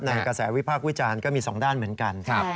ในกระแสวิภาพวิจารก็มีสองด้านเหมือนกัน